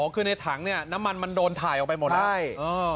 อ๋อคือในถังเนี่ยน้ำมันมันโดนถ่ายออกไปหมดละได้เอ่อ